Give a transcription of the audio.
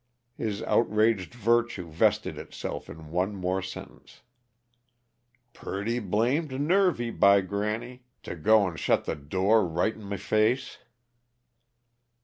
His outraged virtue vested itself in one more sentence; "Purty blamed nervy, by granny to go 'n' shut the door right in m' face!"